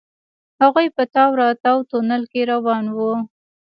هغوئ په تاو راتاو تونل کې روان وو.